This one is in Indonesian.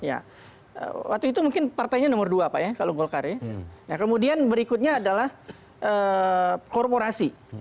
ya waktu itu mungkin partainya nomor dua pak ya kalau golkar ya nah kemudian berikutnya adalah korporasi